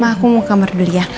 ma aku mau ke kamar dulu ya